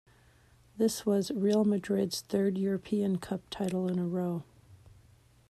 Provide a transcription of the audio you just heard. This was Real Madrid's third European Cup title in a row.